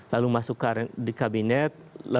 lalu masuk di kabinet